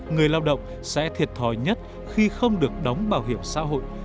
người lao động sẽ thiệt thòi nhất khi không được đóng bảo hiểm xã hội